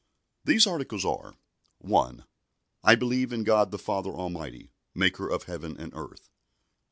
These articles are 1. I believe in God the Father Almighty, Maker of heaven and earth.